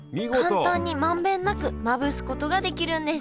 簡単に満遍なくまぶすことができるんです